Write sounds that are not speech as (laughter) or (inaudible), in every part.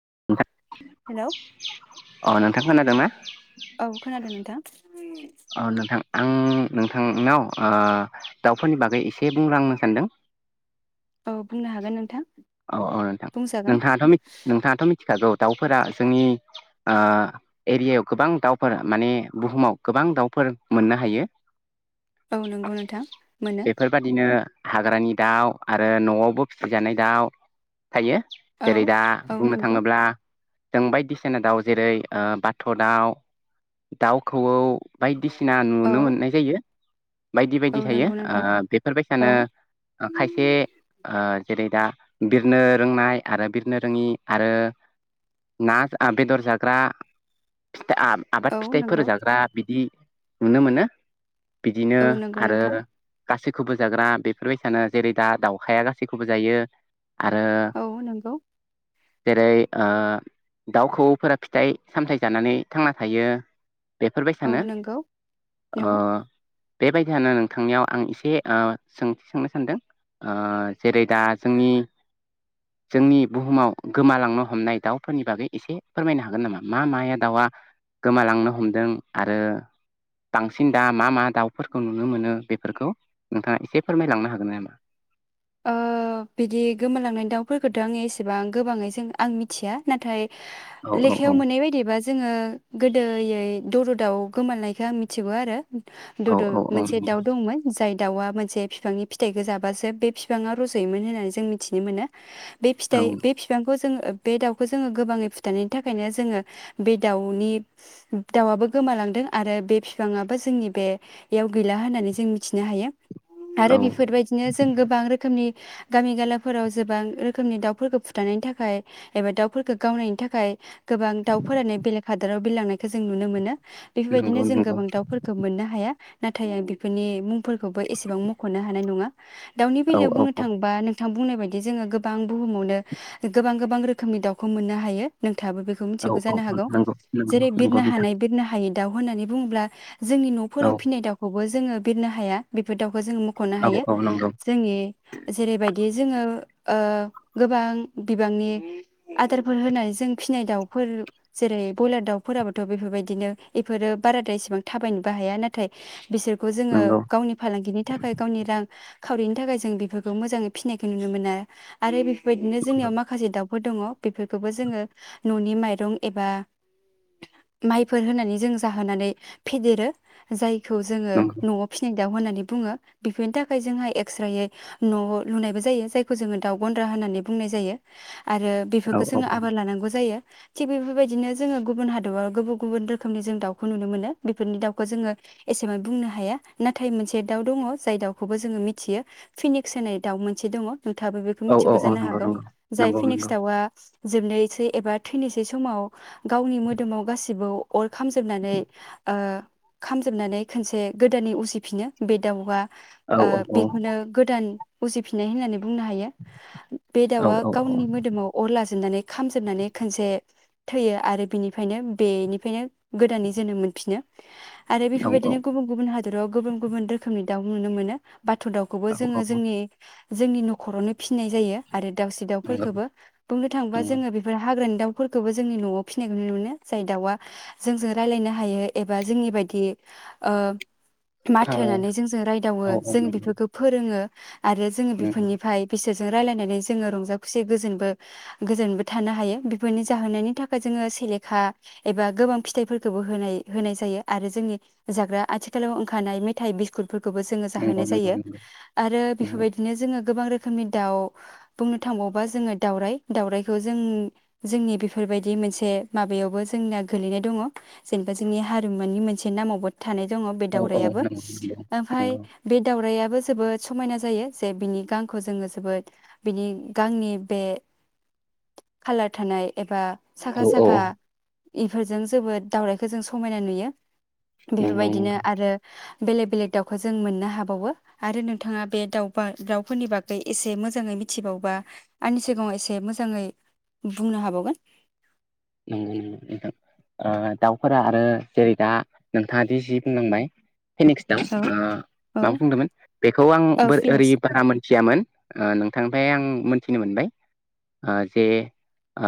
(inaudible) Hello? थां खोना दोंना? औ खोनादो नोंथां। अ नोंथां। आं नोंथां नाव ओ दाउ फोरनि बागै एसे बुंलांनो सान्दों। औ बुंनो हागोन नोंथां। औ औ नोंथां बुंजागोन नोंथाङाथ' मि नोंथाङाथ' मि मिथिखागौ दाउ फोरा जोंनि एरिया याव गोबां दाउ फोर माने बुहुमाव गोबां दाउ फोर मोननो हायो। औ नंगौ नोंथां मोनो। बेफोरबादिनो हाग्रानि दाउ आरो न'आवबो फिसि जानाय दाउ। थायो औ जेरै दा औ बुंनो नंगौ थाङोब्ला जों बायदि सिना दाउ जेरै बाथ' दाउ, दाउ खौऔ बायदि सिना औ नुनो मोननाय जायो। बायदि औ बायदि थायो नंगौ ओ नोंथां बेफोर औ बायसानो खायसे जेरै दा बिरनो रोंनाय आरो बिरनो रोङि आरो ना आ बेदर जाग्रा। आ आबाद औ फिथाइ फोर नंगौ जाग्रा बिदि नुनो मोनो। बिदिनो औ नंगौ आरो नोंथां गासै खौबो जाग्रा बेफोर बायसानो जेरै दा दाउखाया गासै खौबो जायो। आरो औ नंगौ जेरै दाउ खौफोरा फिथाइ सामथाय जानानै थांना थायो। बेफोर बाय औ सानो नंगौ ओ औ बेबायदि यानो नोंथां नियाव आं एसे सोंथि सोंनो सानदों जेरै दा जोंनि जोंनि बुहुमाव गोमालांनो हमनाय दाउ फोरनि बागै एसे फोरमायनो हागोन नामा मा माया दाउआ गोमालांनो हमदों आरो बांसिन दा मा मा दाउ फोरखौ नुनो मोनो बेफोरखौ नोंथाङा एसे फोरमाय लांनो हागोन नामा? ओ बिदि गोमालांनाय दाउ फोरखौथ' आङो एसेबां गोबाङै जों आं मिथिया नाथाय औ औ औ लेखायाव मोननाय बायदिबा जोङो गोदो यै दद' दाव गोमालायखौ आं मिथिगौ आरो। औ दद' औ मोनसे दाउ दंमोन। जाय दाउआ मोनसे बिफांनि फिथाइखौ जाबासो बे फि बिफांया रज'योमोन होननानै जों मिथिनो मोनो। बे औ फिथाइ बे फिफांखौ जों जोङो बे दाउखौ जोङो गोबाङै फुथारनायनि थाखायनो जोङो बे दाउनि दाउ आबो गोमालांदों आरो बे फिफां आबो जोंनि बेयाव गैला होननानै जों मिथिनो हायो। औ आरो बेफोर बायदिनो जों गोबां रोखोम जोंनि गामि गाला फोराव गोबां रोखोमनि दाउफोरखौ फुथानायनि थाखाय एबा दाउफोरखौ गावनायनि थाखाय गोबां दाउ फोरानो बेलेग हादराव बिरलां नायखौ जों नुनो मोनो। बेफोर नंगौ बायदिनो जों नंगौ गोबां दाउ फोरखौ मोननो हाया। नाथाय आं बेफोरनि मुंफोरखौबो एसेबां मख'नो हानाय नङा औ बेलायाव औ बुंनो औ थांबा नों नोंथां बुंनाय बायदि जोङो गोबां बुहुमावनो गोबां गोबां रोखोमनि दाउखौ मोननो हायो। थाबो बेखौ मिथि औ औ जानो हागौ नंगौ नंगौ जेरै नंगौ बिरनो नोंथां हानाय, बिरनो हायै दाउ होननानै बुङोब्ला जोंनि औ न'फोराव फिनाय दाउखौबो जोङो बिरनो हाया बेफोर दाव जों मख'नो औ हायो। औ नंगौ जोंनि जेरैबायदि बिदि जोङो आ गोबां बिबांनि आदारफोर होनानै जों फिसिनाय दाउफोर जेरै ब्रयलार दाउफोराबोथ' बेफोरबायदिनो बेफोरो बाराद्राय एसेबां थाबायनोबो हाया नाथाय बिसोरखौ जोङो नंगौ गावनि फालांगिनि थाखाय गावनि रां खावरिनि थाखाय जों बेफोरखौ मोजाङै फिनायखौ नुनो मोना आरो बेबायदिनो जोंनि माखासे दाउ हदङ बेफोरखौबो जोङो न'नि माइरं एबा माइफोर होनानै जों जाहोनानै फेदेरो जाय जोङो नंगौ न'आव फिसिनाय दाउ होननानै बुङो बेफोरनि थाखाय जोंहा एक्स्रायै न' लुनायबो जायो जायखौ जोङो दाउ गन्द्रा होननानै बुंनाय जायो। आरो औ बेफोरखौ औ जोङो आबार लानांगौ जायो। थिग बेफोरबायदिनो जोङो गुबुन हादराव गुबुन गुबुन रोखोमनि जों दाउखौ नुनो मोनो बेफोरनि दाउखौ जोङो एसेबां बुंनो हाया नाथाय मोनसे दाउ दङ जाय दाउखौबो जोङो मिथियो फिनिक्स होनाय दाउ मोनसे दङ नोंथाङाबो बेखौ औ मिथिगौ औ जानो नंगौ हागौ जाय नंगौ नंगौ फिनेक्स नंगौ दाउआ जोबनोसै एबा थैनोसै समाव गावनि मोदोमाव गासिबो अर खामजोबनानै खामजोबनानै खनसे गोदानै उसिफिनो बे दाउआ औ ओ औ औ बेखौनो गोदान उजिफिननाय होननानै बुंनो हायो बे औ दाउआ औ औ गावनि मोदोमाव अर लाजेननानै खामजोबनानै खनसे थैयो आरो बिनिफ्रायनो बेनिफ्रायनो गोदानै जोनोम मोनफिनो आरो नंगौ नंगौ बेफोरबायदिनो गुबुन गुबुन हाद राव गुबुन गुबुन रोखोमनि दाउ नुनो मोनो। दाउखौबो औ जोङो जोंनि जोंनि न'खरावनो फिनाय जायो। आरो दाउसे दाउफोरखौबो बुंनो थाङोबा जोङो बेफोर हाग्रानि दाउफोरखौबो जोंनि न'आव फिसिनायखौ नुनो मोनो जाय दाउआ जोंजों राय्लायनो हायो एबा जोंनि बायदि आ माथो होनानै जोंजों रायदावो औ जों नंगौ बेफोर फोरोङो आरो जोङो बेफोरनिफ्राय बेसे (unintelligible) रायलायनानै जोङो रंजा खुसिबो गोजोनबो गोजैनबो थानो हायो बेफोरनि जाहोनायनि थाखाय जोङो सेलेखा एबा गोबां फिथाइफोरखौबो होनाय होनाय जायो आरो जोंनि जाग्रा आथिखालाव ओंखारानाय मेथाइ बिस्कुट फोरखौबो जोङो नंगौ जाहोनाय नंगौ जायो। नंगौ आरो नंगौ बेफोरबायदिनो जोङो गोबां रोखोमनि दाउ बुंनो थांबावोबा जोङो दाउराइ दाउराइखौ जों जोंनि बेफोरबायदि मोनसे माबायावबो जोंना गोलैनाय दङ' जेनेबा जोंनि हारिमुनि मोनसे नामावबो (unintelligible) दङ बे औ औ दाउराइआबो नंगौ नंगौ ओमफाय नंगौ बे दाउराइया जोबोद समायना जायो जे बिनि गांखौ जोङो जोबोद बिनि गांनि बे कालार थानाय एबा औ साखा औ साखा औ बेफोरजों जोबोद दावउराइखौ जों समायना नुयो। नंगौ बेफोरबायदिनो आरो बेलेग बेलेग दाउखौ जों मोननो हाबावो। आरो नोंथाङा बे दाउ दाउफोरनि बागै एसे मोजाङै मिथिबावबा आंनि सिगाङाव एसे मोजाङै बुंनो हाबावगोन। नंगौ नंगौ नोंथां दाउफोरा आरो जेरै दा नोंथाङादि जि बुंलांबाय फिनिक्स दाउ औ ओ औ मा बुंदोंमोन बेखौ आं औ ओरै फिनिक्स बारा मोनथियामोन ओ नों थांनिफ्राय आं मोनथिनो मोनबाय ओ जे ओ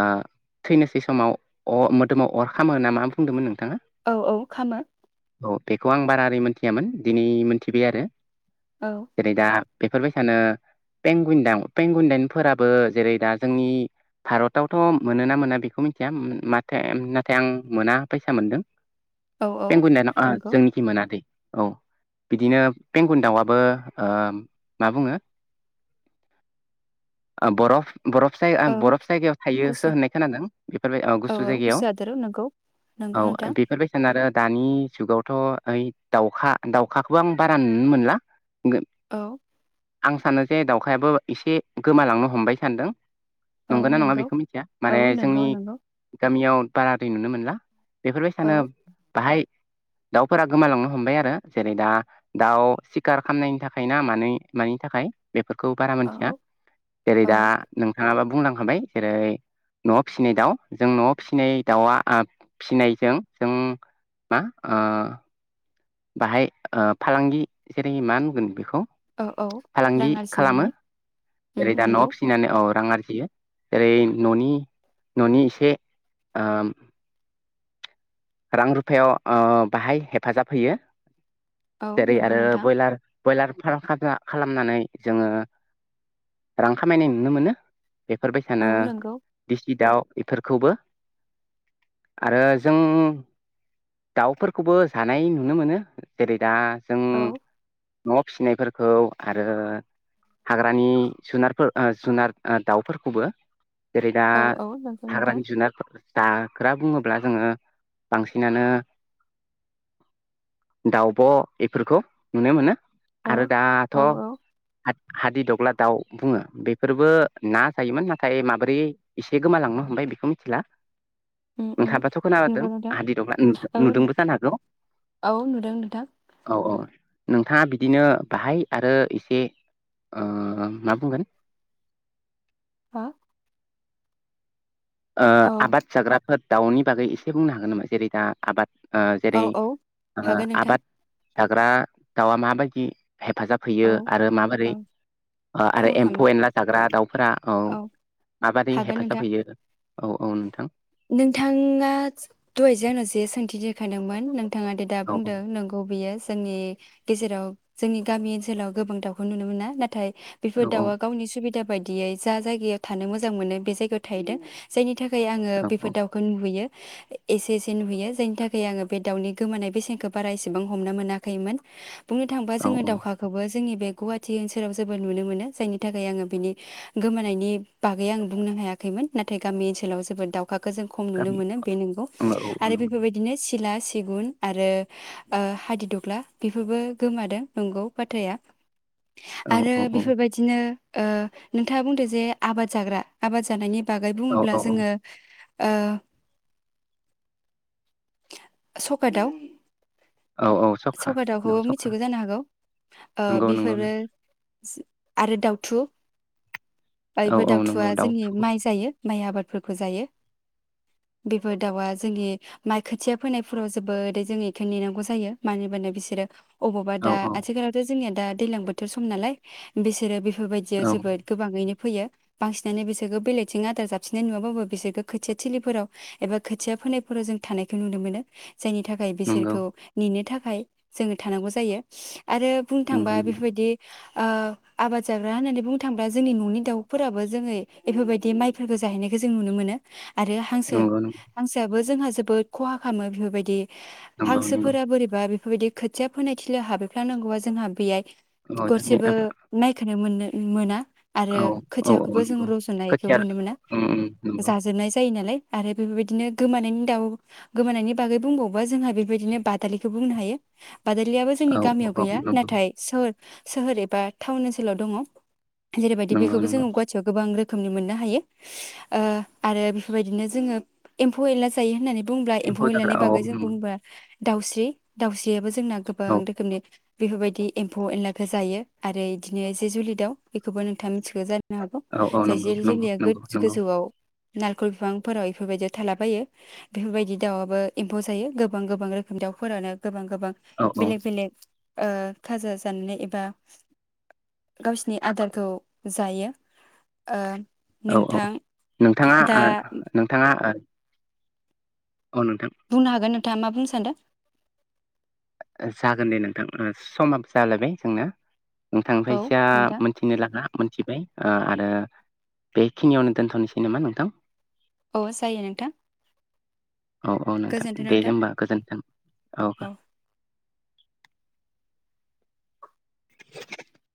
थैनोसै समाव अ मोदोमाव अर खामो ना मा बुंदोंमोन नोंथाङा? औ औ खामो। औ बेखौ आं बारा ओरै मोनथियामोन दिनै मोनथिबाय आरो। औ जेरै दा बेफोरबायसानो पेंगुइन दाउ पेंगुइन दावफोराबो जेरै दा जोंनि भारतावथ' मोनोना मोना बेखौ बेखौ मिथिया माथो नाथाय आं मोना बायसा मोनदों। औ औ पेंगुइन दाउ (unintelligible) नंगौ जोंनिखि मोनाखै औ बिदिनो पेंगुइन दाउआबो ओ मा बुङो बरफ बरफ जाय औ बरफ जायगायाव थायोसो गुसु होननाय खोनादों। बेफोर औ गुसु जायगायाव नंगौ औ नोंथां बेफोरबायसानो आरो दानि जुगावथ' ओइ दाउखा दाउखाखौबो आं बारा नुनो मोनला। औ आं सानो जे दाउखायाबो एसे गोमालांनो हमबाय सानदों। औ नंगौना नङा नंगौ बेखौ मिथिया औ माने नंगौ जोंनि नंगौ गामियाव बारा दै नुनो मोनला। औ बेफोरबायसानो बाहाय दाउफोरा गोमालांनो हमबाय आरो जेरै दा दाउ सिखार खालामनायनि थाखाय ना मा मानि थाखाय बेफोरखौ बारा मिथिया औ जेरै औ दा नोंथाङाबा बुंलांखाबाय जेरै न'आव फिसिनाय दाउ। जों न'आव फिसिनाय दाउआ फिसिनायजों जों मा ओ बाहाय फालांगि जेरै मा नुगोन बेखौ औ औ फालांगि रां आरजिनो खालामो हायो उम ओेरै दा न' नंगौ फिसिनानै अर रां आरजियो जेरै न'नि न'नि एसे रां रुफायाव बाहाय हेफाजाब होयो। औ जेरै नंगौ आरो नोंथां बयलार बयलार फार्म खालामनानै जोङो रां खामायनाय नुनो मोनो। औ बेफोरबायसानो नंगौ डिस्ट्रिक्टआव। बेफोरखौबो आरो जों। दाउफोरखौबो जानाय नुनो मोनो जेरै दा। जों औ। न'आव फिसिनायफोरखौ आरो हाग्रानि जुनारफोर ओ जुनार ओ दाउफोरखौबो। जेरै दा औ औ नंगौ नोंथां हाग्रानि जुनारफोर जा ग्रा बुङोब्ला जोङो। बांसिनानो दावब' बेफोरखौ नुनो मोनो। औ आरो दाथ'। औ औ हादि दग्ला दाउ बुङो बेफोरबो ना जायोमोन नाथाय माबोरै एसे गोमालांनो हमबाय बेखौ मिथिला। उम उम नोंथाङाबोथ' खोनाबोदों? नंगौ नोंथां दि दग्ला नुदो औ नुदोंबो जानो हागौ औ नुदों नोंथां औ औ। नोंथाङा बिदिनो बाहाय आरो एसे ओ मा बुंगोन? हो? ओ आबाद जाग्राफोर दाउनि बागै एसे बुंनो हागोन नामा जेरै दा आबाद। ओ औ जेरै औ ओ हागोन नोंथां आबाद। जाग्रा दाउआ माबायदि। हेफाजाब होयो औ आरो माबोरै औ ओ आरो खहा खालामा एम्फौ एनला जाग्रा दाउफोरा औ माबोरै हागोन हेफाजाब नोंथां होयो। औ औ नोंथां। नोंथाङा दहाय जे आंनाव जे सोंथि देरखांदोंमोन नों थाङादि दा औ बुंदों नोंगौ बियो जोंनि गेजेराव। जोंनि गामि ओनसोलाव गोबां दाउखौ नुनो मोना नाथाय। बेफोर औ दाउआ औ गावनि सुबिदा बायदियै जा जायगायाव थानो मोजां मोनो बे जायगायाव थायोदो जायनि थाखाय आङो औ बे फोर औ दाउखौ‌ नुहैयो। एसे एसे नुहैयो जायनि थाखाय आङो बे दाउनि गोमानाय बेसेनखौ बारा एसेबां हमनो मोनाखैमोन। बुंनो थाङोबा औ जोङो दावखौबो। जोंनि बे गुवाहाटि ओनसोलाव जोबोद नुनो मोनो जायनि थाखाय आङो बिनि गोमानायनि बागै आं बुंनो हायाखैमोन नाथाय गामि ओनसोलाव जोबोद दाउ खो जों खम नुनो गामि मोनो बे नोंगौ औ औ आरो बेफोरबादिनो सि सिला, सिगुन, आरो ओ हादिदग्ला बेफोरबो गोमादों नोंगौ बाथ्राया। औ आरो बेफोरबायदिनो ओ नोंथाङा बुंदो जे आबाद जाग्रा आबाद जानायनि बागै बुङोब्ला औ जोङो ओ सखा दाव औ औ सखा दाउ दावखौबो सखा मिथिगौ जानो हागौ ओ नंगौ नंगौ बेफोरबो (unintelligible) आरो दाउथु औ बायबो औ दावथुआ नंगौ जोंनि दाउथु माइ जायो। माइ आबादफोरखौ खौ जायो बेफोर दाउआ जोंनि माइ खोथिया फोनायफोराव जोबोदै जों बेखौ नेनांगौ जायो मानो होनबाना बिसोरो अबावबा औ दा औ आथिखालावथ' जोंनिया दा दैज्लां बोथोर सम नालाय बिसोरो बे बेफोरबायदियाव औ जोबोद गोबाङैनो फैयो बांसिननानै बिसोरखौ बेलेगथिं आदार जाबसिननाय नुवा (unintelligible) बिसोरखौ खोथिया थिलिफोराव एबा खोथिया फोनायफोराव जों थानायखौ नुनो मोनो जायनि थाखाय नंगौ बिसोरखौ नेनो थाखाय थाखाय जोङो थानांगौ जायो। आरो बुंनो थांबा नंगौ बेफोरबायदि ओ आबाद जाग्रा होननानै बुंनो थाङोब्ला जोंनि न'नि दावफोराबो जोङो बेफोरबायदि माइफोरखौ जाहैनाय जों नुनो मोनो आरो हांसो नंगौ हांसोआबो जोंहा जोबोद खहा खालामो बेफोरबायदि नंगौ नंगौ हांसोफोरा बोरैबा बेफोरबायदि खोथिया फोनाय थिलियाव हाबहैफ्लांनांगौबा जोंहा बेहाय औ जोंनि गरसेबो आबाद माइखौनो मोन्नो मोना। आरो औ औ औ खोथियाखौबो जों नंगौ रज'नायखौ खोथिया नुनो मोना। उम उम नंगौ जाजोबनाय जायो नालाय आरो बेबायदिनो गोमानायनि दाउ गोमानायनि बागै बुंबावोबा जोंहा बेबायदिनो बादालिखौ बुंनो हायो बादालियाबो जोंनि औ गामियाव औ औ गैया नंगौ नाथाय सोहोर सोहोर एबा टाउन ओनसोलाव दङ'। जेरैबायदि नंगौ बेफोरखौ नंगौ जोङो गुवाहटियाव गोबां रो रोखोमनि मोननो हायो ओ आरो बेफोरबायदिनो जोङो एम्फौ एनला जायो होननानै। बुंब्ला एम्फौ जाग्रा एनलानि औ बागै जों नंगौ बुंब्ला। दाउस्रि दाउस्रियाबो। जोंना गोबां औ रोखोमनि। बेफोरबायदि एम्फौ एनलाखौ जायो आरो इदिनो जे जुलि दाउ एखौबो नोंथाङा मिथिखौ जाद। नो हागौ औ औ जाय नंगौ जे नंगौ जुलिया नंगौ गोद नंगौ गोस। नारिखल बिफांफोराव इफोरबायदि थालाबायो बेफोरबायदि दाउआबो एम्फौ जायो गोबां गोबां रोखोम दाउफोरानो। गोबां गोबां औ औ बेलेक बेलेक। ओ थाजा जानानै एबा गावसिनि आदारखौ जायो ओ। औ औ नोंथां। नोंथाङा दा ओ नोंथाङा। आ। बुंनो हागोन नोंथाङा मा बुंनो सा। थान्द। जागोन दे नोंथां समाबो जालायबाय जोंना। औ नोंथांनिफ्रायसा नोंथां मोनथिनो लागा। मोनथिबाय ओ आरो बेखिनियावनो दोनथनोसै नामा नोंथां। अ जायो नोंथां। औ -औ नोंथां दे होमबा गोजोन्थों औ। (unintelligible)